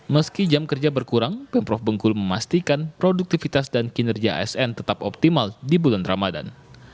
meski jam kerja berkurang pemprov bengkulu memastikan produktivitas dan kinerja asn tetap optimal di bulan ramadan